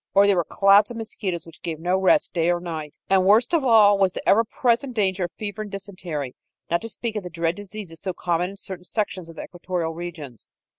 Or there were clouds of mosquitoes which gave no rest day or night. And worst of all was the ever present danger of fever and dysentery, not to speak of the dread diseases so common in certain sections of the equatorial regions.